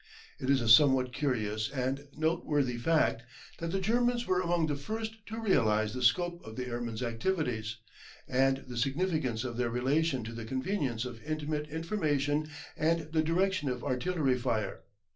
It is a somewhat curious and noteworthy fact, that the Germans were among the first to realise the scope of the airman's activities, and the significance of their relation to the conveyance of intimate information and the direction of artillery fire.